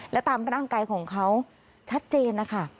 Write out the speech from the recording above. และตามร่างกายของเขาชัดเจนนะคะ